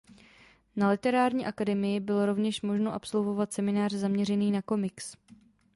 Na Literární akademii bylo rovněž možné absolvovat seminář zaměřený na komiks.